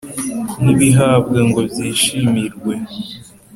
ntibihabwa ngo byishimirwe